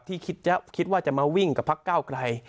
ที่คิดว่าจะมาวิ่งกับพักเก้าไกล